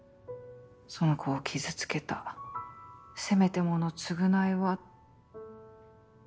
苑子を傷つけたせめてもの償いは。